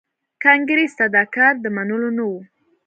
کانګریس ته دا کار د منلو نه و.